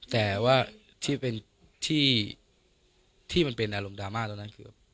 แต่ว่าที่เป็นที่มันเป็นอารมณ์ดราม่าตอนนั้นคือ